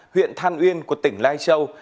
huyện than uyên của tỉnh lai châu